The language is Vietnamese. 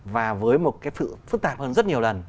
và với một cái sự phức tạp hơn rất nhiều lần